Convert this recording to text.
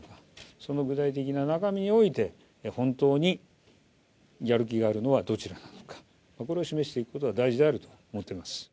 その具体的な中において、本当にやる気があるのはどちらなのか、これを示していくことが大事であると思っております。